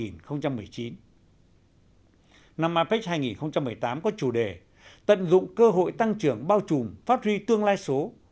năm apec hai nghìn một mươi tám có chủ đề tận dụng cơ hội tăng trưởng bao trùm phát huy tương lai số